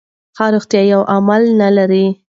ښه روغتیا یو عامل نه لري.